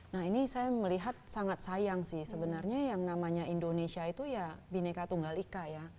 nah ini saya melihat sangat sayang sih sebenarnya yang namanya indonesia itu ya bineka tunggal ika ya